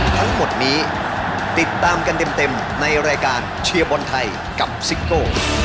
ทั้งหมดนี้ติดตามกันเต็มในรายการเชียร์บอลไทยกับซิโก้